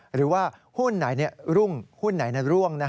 หรือว่าหุ้นไหนรุ่งหุ้นไหนร่วง